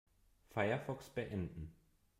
Firefox beenden.